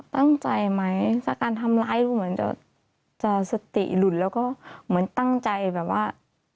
ตั้งใจไหมถ้าการทำร้ายดูเหมือนจะสติหลุดแล้วก็เหมือนตั้งใจแบบว่า